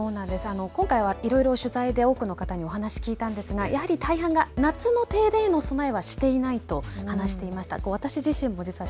今回はいろいろ取材で多くの方に話を聞いたんですがやはり大半が夏の停電への備えをしていないと話していました。